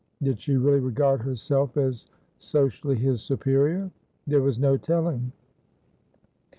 Did she really regard herself as socially his superior? There was no telling.